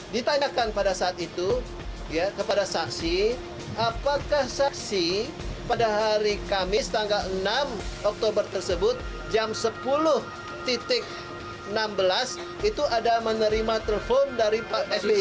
ditanyakan pada saat itu kepada saksi apakah saksi pada hari kamis tanggal enam oktober tersebut jam sepuluh enam belas itu ada menerima telepon dari pak sby